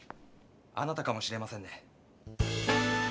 あなたかもしれませんね。